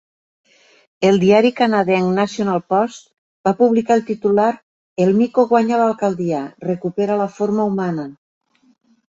El diari canadenc "National Post" va publicar el titular "El mico guanya l'alcaldia, recupera la forma humana".